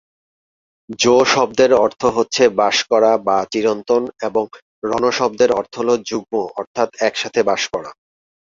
জো শব্দের অর্থ হচ্ছে বাস করা বা চিরন্তন এবং রণ শব্দের অর্থ হল যুগ্ম অর্থাৎ একসাথে বাস করা।